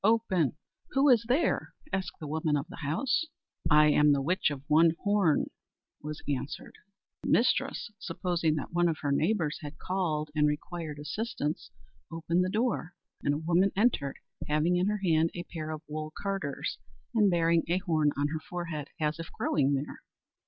open!" "Who is there?" said the woman of the house. "I am the Witch of one Horn," was answered. The mistress, supposing that one of her neighbours had called and required assistance, opened the door, and a woman entered, having in her hand a pair of wool carders, and bearing a horn on her forehead, as if growing there.